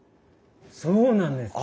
そうなんです。